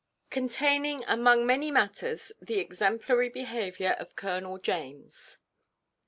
_Containing, among many matters, the exemplary behaviour of Colonel James.